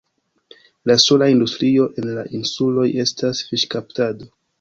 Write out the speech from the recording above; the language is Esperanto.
La sola industrio en la insuloj estas fiŝkaptado.